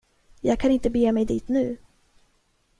Jag kan inte bege mig dit nu!